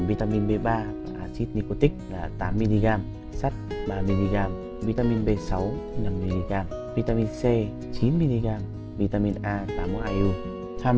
vitamin b ba và axit nicotic là tám mg sắt ba mg vitamin b sáu năm mg vitamin c chín mg vitamin a tám mươi một iu tham